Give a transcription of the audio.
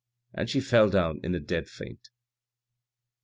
And she fell down in a dead faint.